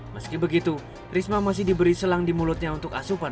meski begitu risma masih diberi selang di mulutnya untuk asupan